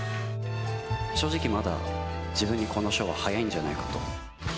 正直、まだ自分にこの賞は早いんじゃないかと。